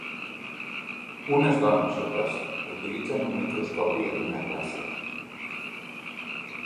Unes dones joves utilitzen un microscopi en una classe.